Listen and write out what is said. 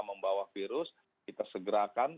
membawa virus kita segerakan